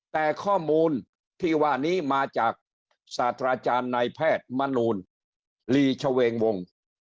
แต่ข้อมูลที่ว่านี้มาจากศาสตราจารย์นายแพทย์มนูลลีชเวงวง